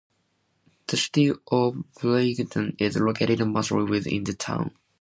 The City of Burlington is located mostly within the town.